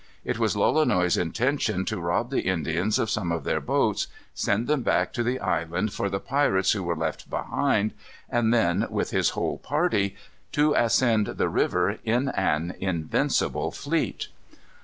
It was Lolonois's intention to rob the Indians of some of their boats, send them back to the island for the pirates who were left behind, and then, with his whole party, to ascend the river in an invincible fleet.